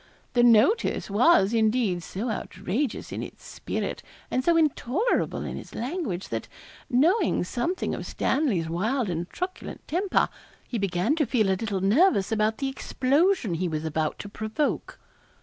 The 'notice' was, indeed, so outrageous in its spirit, and so intolerable in its language, that, knowing something of Stanley's wild and truculent temper, he began to feel a little nervous about the explosion he was about to provoke.